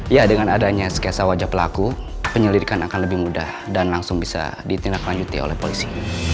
ya dengan adanya sketsa wajah pelaku penyelidikan akan lebih mudah dan langsung bisa ditindaklanjuti oleh polisi